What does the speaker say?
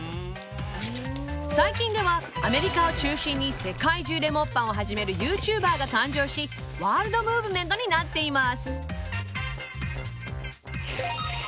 最近ではアメリカを中心に世界中でモッパンを始める ＹｏｕＴｕｂｅｒ が誕生しワールドムーブメントになっています